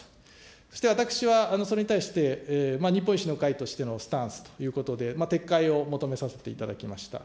そして私はそれに対して、日本維新の会としてのスタンスということで、撤回を求めさせていただきました。